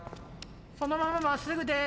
そのまままっすぐです！